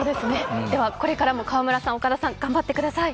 では、これからも川村さん岡田さん、頑張ってください。